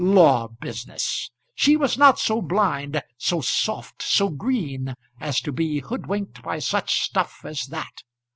Law business! she was not so blind, so soft, so green, as to be hoodwinked by such stuff as that.